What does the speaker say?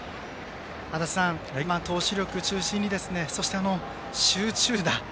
足達さん、投手力中心にそして、集中打。